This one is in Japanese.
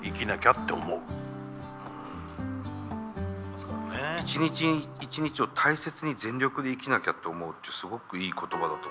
そうだね「一日一日を大切に全力で生きなきゃって思う」ってすごくいい言葉だと思います。